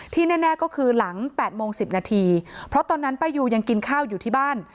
แน่ก็คือหลัง๘โมง๑๐นาทีเพราะตอนนั้นป้ายูยังกินข้าวอยู่ที่บ้าน